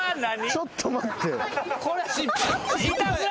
ちょっと待って。